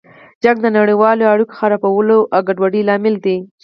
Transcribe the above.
جنګ د نړیوالو اړیکو خرابولو او ګډوډۍ لامل دی.